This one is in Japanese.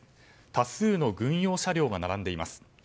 多数の軍用車両が並んでいます。